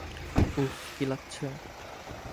উফ, কী লাগছে!